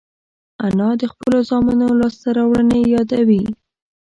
انا د خپلو زامنو لاسته راوړنې یادوي